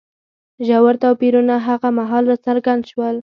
ژور توپیرونه هغه مهال راڅرګند شول